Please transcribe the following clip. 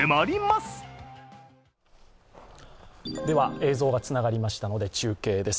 映像がつながりましたので、中継です。